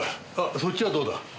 そっちはどうだ？